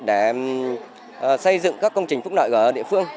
để xây dựng các công trình phúc lợi ở địa phương